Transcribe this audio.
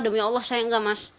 demi allah saya enggak mas